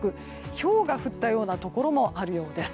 ひょうが降ったようなところもあるようです。